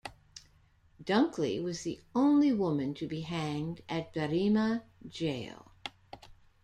Dunkley was the only woman to be hanged at Berrima jail.